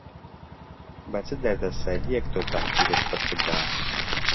بە چ دەردەسەرییەک تۆ تەعجیلت فرچک دا.